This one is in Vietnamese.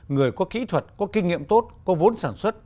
người có kỹ thuật có kinh nghiệm tốt có vốn sản xuất